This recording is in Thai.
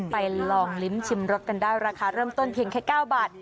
ลองลิ้มชิมรสกันได้ราคาเริ่มต้นเพียงแค่๙บาท